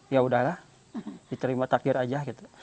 ya udahlah diterima takdir saja